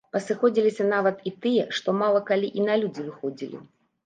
Пасыходзіліся нават і тыя, што мала калі і на людзі выходзілі.